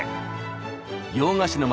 洋菓子の街